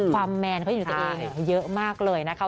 แมนเขาอยู่ตัวเองเยอะมากเลยนะคะ